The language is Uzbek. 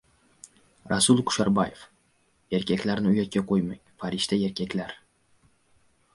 Rasul Kusherbayev: "Erkaklarni uyatga qo‘ymang, "farishta erkaklar"!"